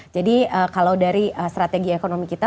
jadi kalau dari strategi ekonomi kita